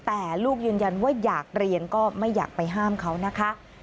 แต่ลูกยืนยันว่าอยากเรียนก็ไม่อยากไปห้ามเขานะคะ